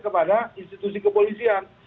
kepada institusi kepolisian